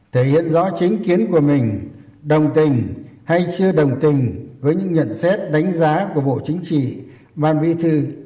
thể hiện rõ chính kiến của mình đồng tình hay chưa đồng tình với những nhận xét đánh giá của bộ chính trị ban bí thư